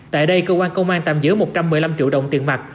tại đây cơ quan công an tạm giữ một trăm một mươi năm triệu đồng tiền mặt